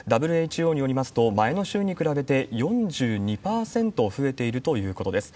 ＷＨＯによりますと、前の週に比べて４２％増えているということです。